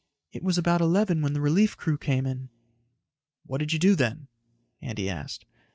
"It was about eleven when the relief crew came in." "What did you do then?" Andy asked.